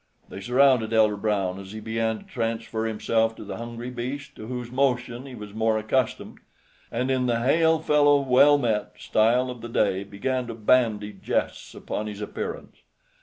They surrounded Elder Brown as he began to transfer himself to the hungry beast to whose motion he was more accustomed, and in the "hail fellow well met" style of the day began to bandy jests upon his appearance.